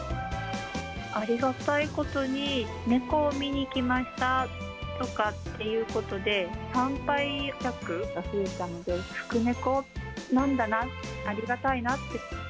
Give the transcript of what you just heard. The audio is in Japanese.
ありがたいことに猫を見に来ましたとかっていうことで、参拝客が増えたので、福猫なんだな、ありがたいなって。